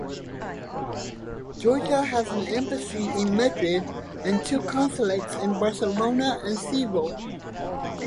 Georgia has an embassy in Madrid and two consulates in Barcelona and Seville.